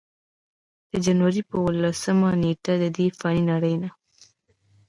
د جنورۍ پۀ اولسمه نېټه ددې فانې نړۍ نه